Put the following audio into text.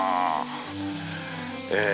え